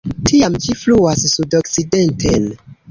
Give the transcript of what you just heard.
Tiam ĝi fluas sudokcidenten.